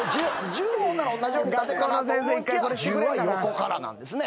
十もほんなら同じように縦かなと思いきや十は横からなんですね。